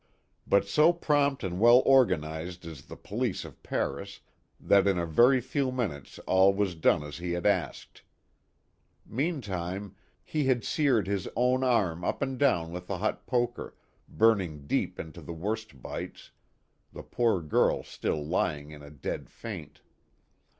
But so prompt and well organized is the police of Paris that in a very few minutes all was done as he had asked. Meantime he had A LONG HORROR. 95 seared his own arm up and down with the hot poker, burning deep into the worst bites the poor girl still lying in a dead faint.